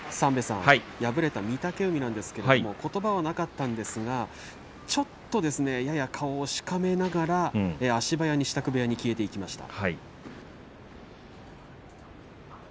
敗れた御嶽海ですがことばはありませんでしたがちょっと、やや顔をしかめながら足早に支度部屋に消えていきました。